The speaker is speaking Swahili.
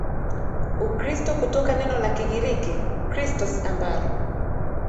Ukristo kutoka neno la Kigiriki Khristos ambalo